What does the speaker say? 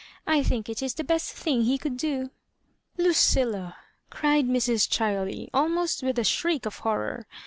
I think it is the best thing he could do." '* Lucilla I" cri^ Mrs. Chiley, almost with a shriek of horror.